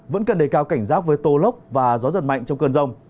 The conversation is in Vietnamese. vẫn cần đề cao cảnh giác với tô lốc và gió giật mạnh trong cơn rông